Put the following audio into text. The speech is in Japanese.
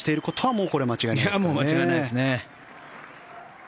もう間違いないですね。